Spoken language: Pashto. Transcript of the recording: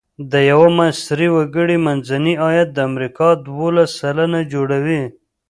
د یوه مصري وګړي منځنی عاید د امریکا دوولس سلنه جوړوي.